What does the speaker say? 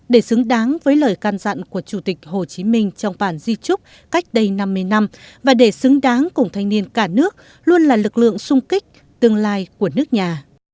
để xứng đáng với lời can dặn của chủ tịch hồ chí minh trong bản di trúc cách đây năm mươi năm và để xứng đáng cùng thanh niên cả nước luôn là lực lượng sung kích tương lai của nước nhà